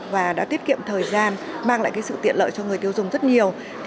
và đã tiết kiệm thời gian mang lại sự tiện lợi cho người tiêu dùng rất nhiều